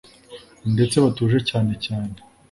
ndetse batuje cyane cyane